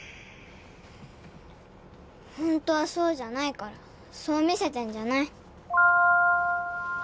ホントはそうじゃないからそう見せてんじゃない？